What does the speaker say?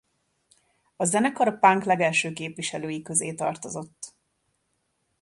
A zenekar a punk legelső képviselői közé tartozott.